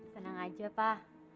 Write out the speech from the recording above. seneng aja pak